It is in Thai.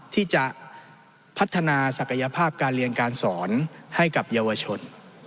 ที่จะพัฒนาศักยภาพการเรียนการสอนให้กับเยาวชน